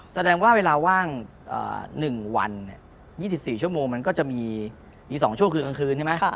แสดงว่าเวลาว่าง๑วัน๒๔ชั่วโมงมันก็จะมี๒ช่วงคือกลางคืนใช่ไหม